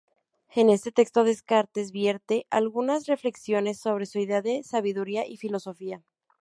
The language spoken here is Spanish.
En este texto Descartes vierte algunos reflexiones sobre su idea de sabiduría y filosofía.